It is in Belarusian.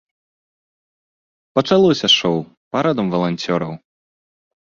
Пачалося шоў парадам валанцёраў.